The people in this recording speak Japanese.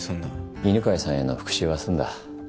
犬飼さんへの復讐は済んだ。